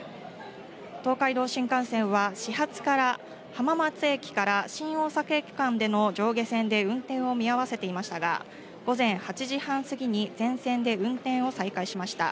東海道新幹線は始発から浜松駅から新大阪駅間での上下線で運転を見合わせていましたが、午前８時半すぎに全線で運転を再開しました。